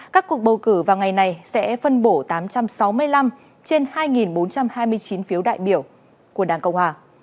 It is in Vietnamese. các cuộc bầu cử vào ngày này sẽ phân bổ tám trăm sáu mươi năm trên hai bốn trăm hai mươi chín phiếu đại biểu của đảng cộng hòa